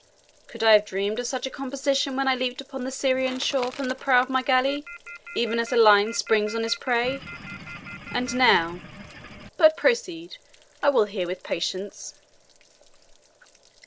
"Could I have dreamed of such a composition when I leaped upon the Syrian shore from the prow of my galley, even as a lion springs on his prey! And now But proceed I will hear with patience."